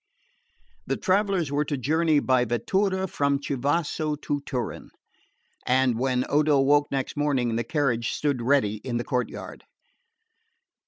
1.8. The travellers were to journey by Vettura from Chivasso to Turin; and when Odo woke next morning the carriage stood ready in the courtyard.